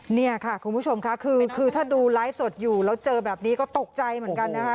เนี่ยค่ะคุณผู้ชมค่ะคือถ้าดูไลฟ์สดอยู่แล้วเจอแบบนี้ก็ตกใจเหมือนกันนะคะ